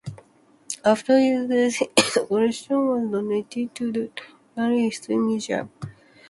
After his death his collection was donated to the Natural History Museum.